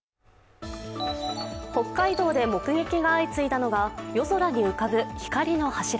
北海道で目撃が相次いだのが夜空に浮かぶ光の柱。